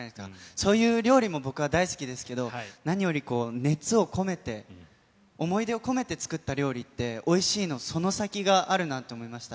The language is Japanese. そういう料理も僕は大好きですけど、何よりこう、熱を込めて、思い出を込めて作った料理って、おいしいのその先があるなと思いました。